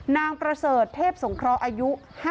นางประเสริฐเทพสงเคราะห์อายุ๕๐